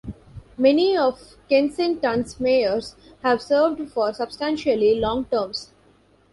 Many of Kensington's mayors have served for substantially long terms.